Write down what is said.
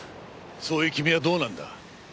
そういう君はどうなんだ。